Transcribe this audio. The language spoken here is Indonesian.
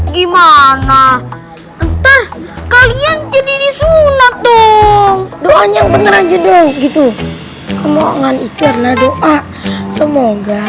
gimana ntar kalian jadi disunat dong doanya bener aja dong gitu kemohonan itu karena doa semoga